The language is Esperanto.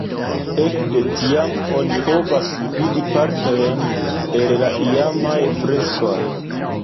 Ekde tiam oni povas vidi partojn el la iamaj freskoj.